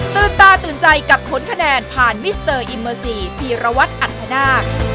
ตาตื่นใจกับผลคะแนนผ่านมิสเตอร์อิมเมอร์ซีพีรวัตรอัธนาค